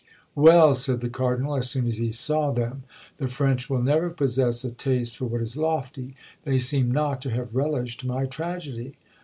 "Well!" said the Cardinal, as soon as he saw them, "the French will never possess a taste for what is lofty; they seem not to have relished my tragedy."